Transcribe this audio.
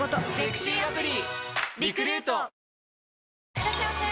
いらっしゃいませ！